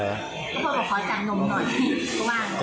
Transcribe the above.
จับจับอะไรอ่ะ